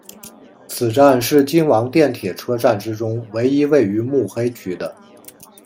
此站是京王电铁车站之中唯一位于目黑区的。